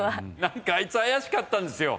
何かあいつ怪しかったんですよ。